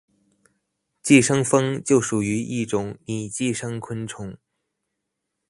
寄生蜂就属于一种拟寄生昆虫。